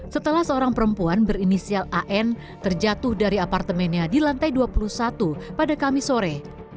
setelah seorang perempuan berinisial an terjatuh dari apartemennya di lantai dua puluh satu pada kamis sore